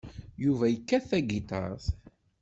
Yuba yekkat tagiṭart.